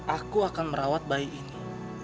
aku akan merawat bayi ini